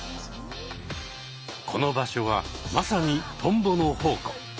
この場所はまさにトンボの宝庫。